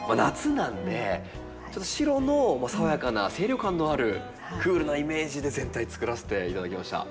なんで白の爽やかな清涼感のあるクールなイメージで全体作らせて頂きました。